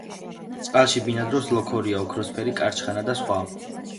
წყალში ბინადრობს ლოქორია, ოქროსფერი კარჩხანა და სხვა.